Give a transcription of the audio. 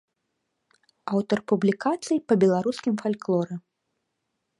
Аўтар публікацый па беларускім фальклоры.